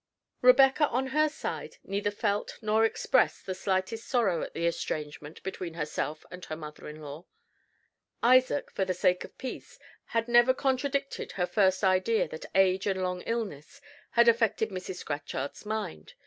Rebecca on her side neither felt nor expressed the slightest sorrow at the estrangement between herself and her mother in law. Isaac, for the sake of peace, had never contradicted her first idea that age and long illness had affected Mrs. Scatchard's mind.